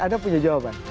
anda punya jawaban